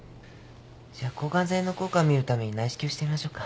じゃ抗ガン剤の効果を見るために内視鏡してみましょうか。